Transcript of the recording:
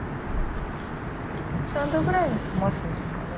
何度ぐらいに冷ますんですかね？